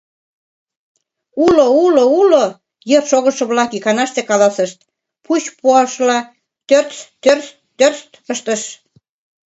— Уло, уло, уло! — йыр шогышо-влак иканаште каласышт, пуч куанышыла «тӧртс-тӧртс-тӧртс!» ыштыш.